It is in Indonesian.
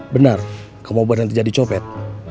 benar kamu baru nanti jadi copet